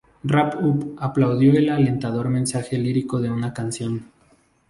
Rap Up aplaudió el alentador mensaje lírico de la canción.